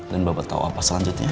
dan bapak tahu apa selanjutnya